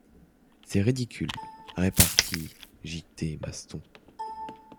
C’est ridicule, répartit J.-T. Maston.